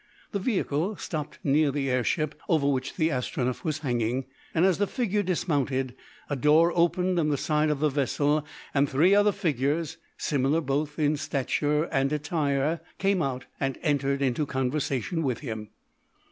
The vehicle stopped near the air ship, over which the Astronef was hanging, and, as the figure dismounted, a door opened in the side of the vessel and three other figures, similar both in stature and attire, came out and entered into conversation with him.